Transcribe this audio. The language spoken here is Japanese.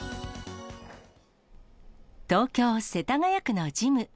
東京・世田谷区のジム。